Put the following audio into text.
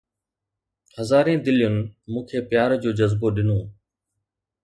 هزارين دلين مون کي پيار جو جذبو ڏنو